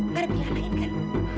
pada pilihan lain kan